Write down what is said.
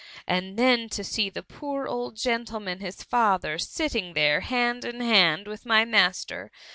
And then to see the poor old gen tleman his father, sitting there hand in hand with my master.